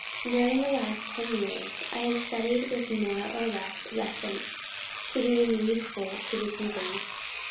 During the last ten years, I have studied with more or less reference to being useful to the heathen.